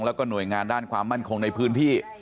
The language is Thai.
แล้วก็หน่วยงานด้านความมั่นคงในพื้นที่